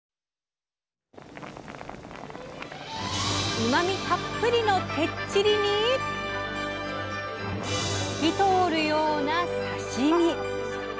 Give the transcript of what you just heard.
うまみたっぷりのてっちりに透き通るような刺身。